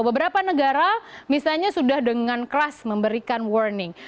beberapa negara misalnya sudah dengan keras memberikan warning